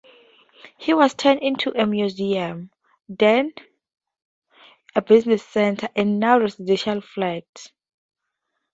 It was turned into a museum, then a business centre and now residential flats.